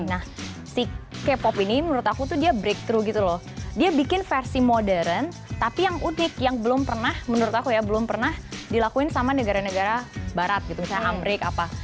nah si k pop ini menurut aku tuh dia breakthrough gitu loh dia bikin versi modern tapi yang unik yang belum pernah menurut aku ya belum pernah dilakuin sama negara negara barat gitu misalnya amrik apa